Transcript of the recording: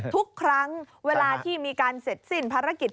ทุกครั้งเวลาที่มีการเสร็จสิ้นภารกิจ